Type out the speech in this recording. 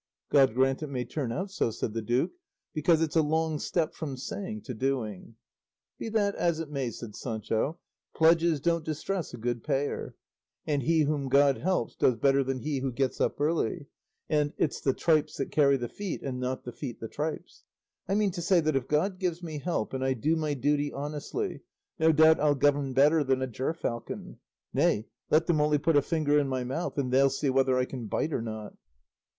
"God grant it may turn out so," said the duke; "because it's a long step from saying to doing." "Be that as it may," said Sancho, "'pledges don't distress a good payer,' and 'he whom God helps does better than he who gets up early,' and 'it's the tripes that carry the feet and not the feet the tripes;' I mean to say that if God gives me help and I do my duty honestly, no doubt I'll govern better than a gerfalcon. Nay, let them only put a finger in my mouth, and they'll see whether I can bite or not."